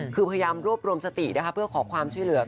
คือพยายามรวบรวมสตินะคะเพื่อขอความช่วยเหลือ